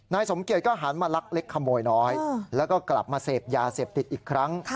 สมเกียจก็หันมาลักเล็กขโมยน้อยแล้วก็กลับมาเสพยาเสพติดอีกครั้ง